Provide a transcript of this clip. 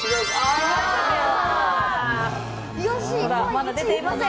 まだ出ていません！